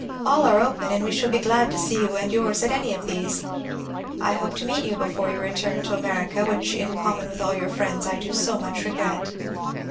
All are open and we shall be glad to see you and yours at any of these. I hope to meet you before your return to America, which in common with all your friends I so much regret.